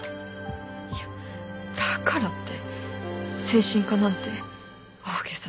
いやだからって精神科なんて大げさな。